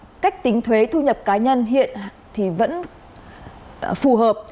do rằng cách tính thuế thu nhập cá nhân hiện vẫn phù hợp